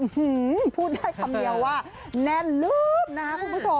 อื้อหื้อพูดได้คำเดียวว่าแนนรื๊บนะคะคุณผู้ชม